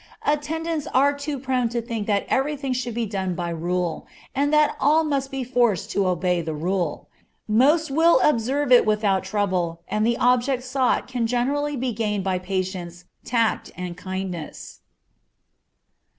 Attendants are too prone to think that every thing should be done by rule, and that all must be forced to obey the rule. Most will observe it without trouble, and the object sought can generally be gained by patience, tact, and kindness.